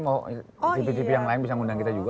mau tipe tipe yang lain bisa ngundang kita juga